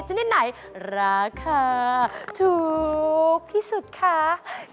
ชนิดไหนราคาถูกที่สุดคะ